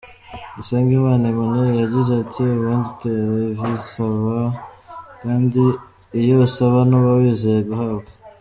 Dusengimana Emmanuel yagize ati “Ubundi utera ivi usaba kandi iyo usaba ntuba wizeye guhabwa.